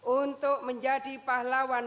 untuk menjadi pahlawan